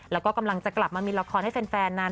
แล้วก็กำลังจะกลับมามีละครให้แฟนนั้น